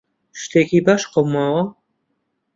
شتێکی باش قەوماوە؟